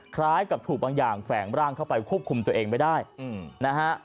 คล้ายกับถูกบางอย่างแฝงร่างเข้าไปควบคุมตัวเองไม่ได้นะฮะ